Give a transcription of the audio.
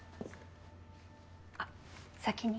あっ先に。